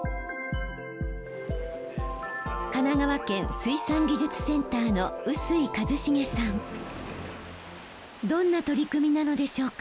神奈川県水産技術センターのどんな取り組みなのでしょうか？